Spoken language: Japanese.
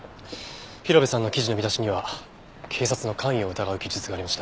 広辺さんの記事の見出しには警察の関与を疑う記述がありました。